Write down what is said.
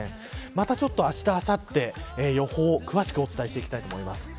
またちょっとあした、あさって予報、詳しくお伝えしていきたいと思います。